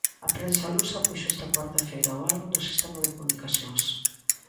A prensa lusa puxo esta cuarta feira o albo no sistema de comunicacións.